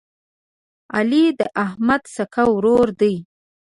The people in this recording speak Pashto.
علي د احمد سکه ورور دی.